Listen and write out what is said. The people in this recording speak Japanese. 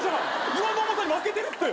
岩の重さに負けてるって！